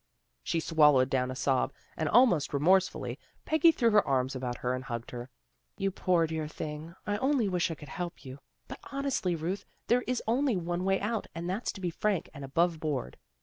She swallowed down a sob, and almost remorsefully, Peggy threw her arms about her and hugged her. ' You poor dear thing. I only wish I could help you. But, honestly, Ruth, there is only one way out, and that's to be frank and above board.